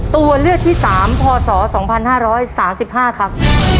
ตัวเลือกที่๓พศ๒๕๓๕ครับ